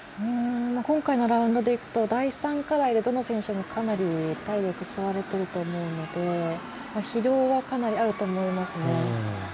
今回のラウンドでいくと第３課題は、どの選手もかなり体力を吸われてると思うので疲労は、かなりあると思いますね。